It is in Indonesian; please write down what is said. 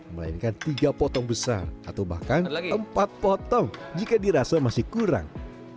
melainkan tiga potong besar atau bahkan empat potong jika dirasa masih kurang